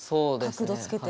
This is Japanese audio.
角度つけて。